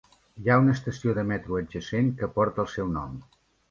Hi ha una estació de metro adjacent que porta el seu nom.